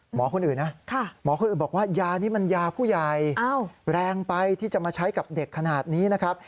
หมอคนอื่นนะหมอคนอื่นบอกว่ายานี้มันยาผู้ใหญ่แรงไปที่จะมาใช้กับเด็กขนาดนี้นะครับ